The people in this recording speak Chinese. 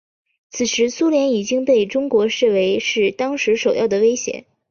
此时苏联已经被中国视为是当时首要威胁。